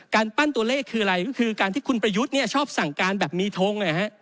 ปั้นตัวเลขคืออะไรก็คือการที่คุณประยุทธ์ชอบสั่งการแบบมีทง